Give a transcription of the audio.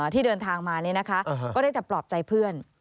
ที่เดินทางมาก็ได้แต่ปลอบใจเพื่อน